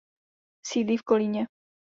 Sídlí v Kolíně.